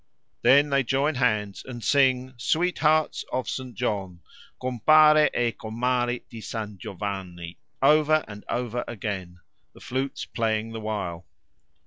Then they join hands and sing "Sweethearts of St. John" (Compare e comare di San Giovanni) over and over again, the flutes playing the while.